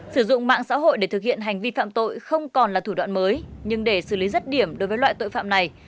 sử dụng mạng xã hội để thực hiện hành vi phạm tội không còn là thủ đoạn mới nhưng để xử lý rứt điểm đối với loại tội phạm này